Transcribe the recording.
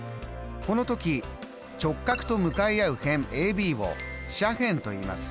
この時直角と向かい合う辺ＡＢを斜辺といいます。